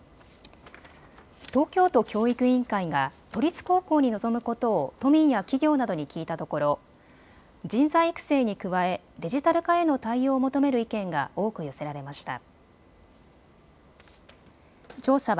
東京都教育委員会が都立高校に望むことを都民や企業などに聞いたところ人材育成に加えデジタル化への対応を求める意見が多く寄せられました。